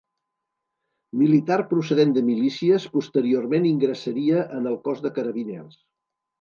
Militar procedent de milícies, posteriorment ingressaria en el Cos de Carabiners.